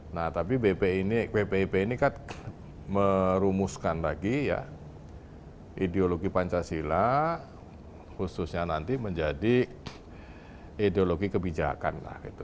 nah tapi bpip ini kan merumuskan lagi ya ideologi pancasila khususnya nanti menjadi ideologi kebijakan lah gitu